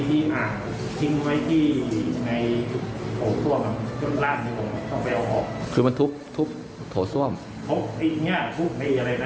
ใส่ด้วยในโถด้วยก็ลดลูกไปจะต้องเอาอุปคล่องขึ้นมาด่วน